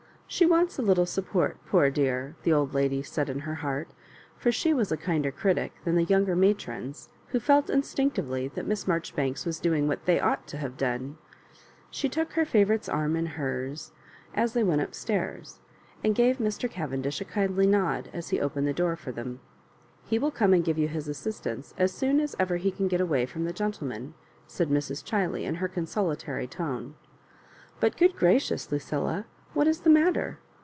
" She wants a little support, poor dear," the old lady said in her heart ; for she was a kinder critic than the younger matrons, who felt instinctively that Miss Marjoribanks was doing what they ought to have done. She took her favourite's arm in hers as they went up stairs, and gave Mr. Cavendish a kindly nod as he opened the door for ihem. '' He will come and give you his ass<istance as soon as ever he can get away from the gentle men," said Mrs. Chiley, in her consolatory tone ; "but, good gracious, Lucilla, what is the mat ter?"